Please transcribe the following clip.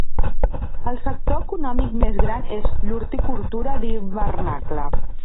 El sector econòmic més gran és l'horticultura d'hivernacle.